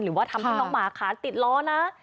หรือว่าทำให้น้องหมาขาติดล้อนะ